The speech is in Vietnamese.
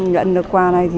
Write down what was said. nhận được quà